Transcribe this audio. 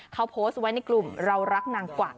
เขาโพสต์ไว้ในกลุ่มเรารักนางกวัก